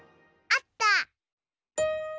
あった！